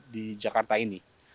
di jakarta ini